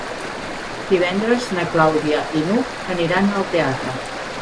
Divendres na Clàudia i n'Hug aniran al teatre.